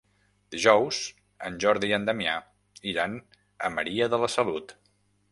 Dijous en Jordi i en Damià iran a Maria de la Salut.